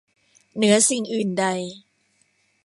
เหนือสิ่งอื่นใด